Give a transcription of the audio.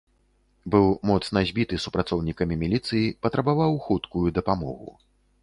Быў моцна збіты супрацоўнікамі міліцыі, патрабаваў хуткую дапамогу.